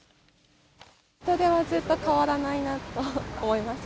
人出はずっと変わらないなと思います。